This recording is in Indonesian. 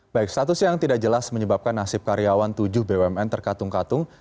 baik status yang tidak jelas menyebabkan nasib karyawan tujuh bumn terkatung katung